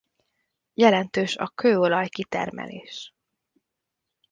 Jelentős a kőolaj-kitermelés.